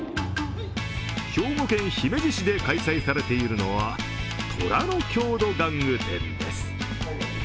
兵庫県姫路市で開催されているのは虎の郷土玩具展です。